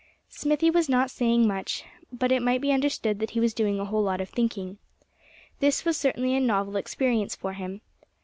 Smithy was not saying much, but it might be understood that he was doing a whole lot of thinking. This was certainly a novel experience for him.